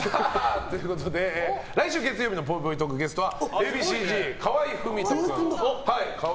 来週月曜日のぽいぽいトークゲストはＡ．Ｂ．Ｃ‐Ｚ、河合郁人さん。